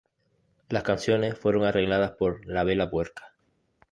Las canciones fueron arregladas por La Vela Puerca.